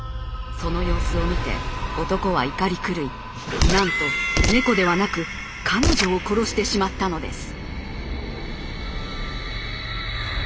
その様子を見て男は怒り狂いなんと猫ではなく彼女を殺してしまったのです。